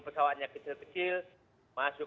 pesawatnya kecil kecil masuk